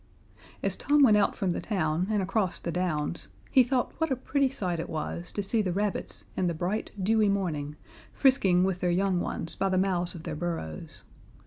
As Tom went out from the town and across the downs, he thought what a pretty sight it was to see the rabbits in the bright, dewy morning, frisking with their young ones by the mouths of their burrows.